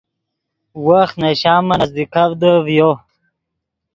وخت نے شامن نزدیکڤدے ڤیو